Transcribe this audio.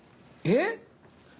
えっ？